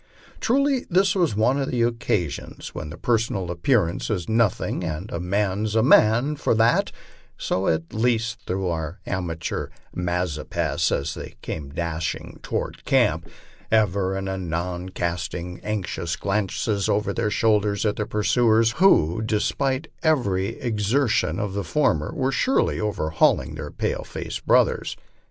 Truly this was one of the occasions when personal ap pearance is nothing, and * a man's a man for a' that," so at least thought our amateur Mazeppas as they came dashing toward camp, ever and anon casting anxious glances over their shoulders at their pursuers, who, despite every exer tion of the former, were surely overhauling their pale faced brothers.